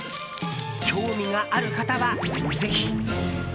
興味がある方は、ぜひ。